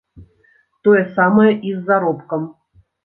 Тое самае і з заробкам.